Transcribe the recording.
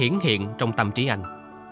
hết hiện trong tâm trí anh